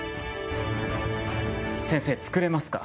先生作れますか？